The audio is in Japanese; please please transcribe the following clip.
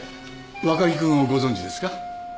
若木君をご存じですか？